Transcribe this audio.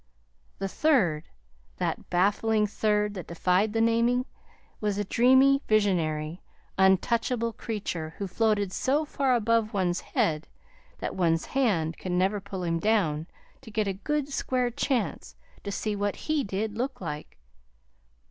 The third that baffling third that defied the naming was a dreamy, visionary, untouchable creature who floated so far above one's head that one's hand could never pull him down to get a good square chance to see what he did look like.